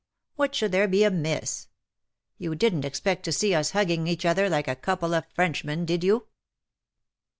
What should there be amiss? You didn't expect to see us hugging each other like a couple of French men, did you